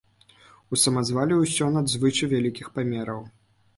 У самазвале ўсё надзвычай вялікіх памераў.